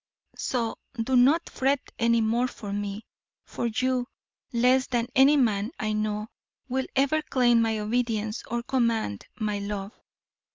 So do not fret any more for me, for you, less than any man I know, will ever claim my obedience or command my love.